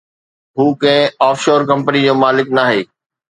هو ڪنهن offshore company جو مالڪ ناهي.